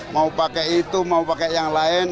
mau pakai itu mau pakai yang lain